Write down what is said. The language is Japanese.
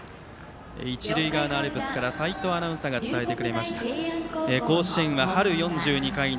一塁側のアルプスから齋藤アナウンサーが伝えてくれました。